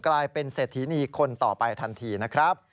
กลายเป็นเศรษฐีนีคนต่อไปทันทีนะครับ